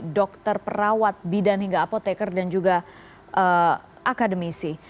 dokter perawat bidan hingga apotekar dan juga akademisi